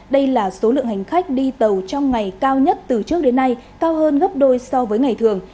đây là số lượng hành khách đi tàu trong ngày cao nhất từ trước đến nay cao hơn gấp đôi so với ngày thường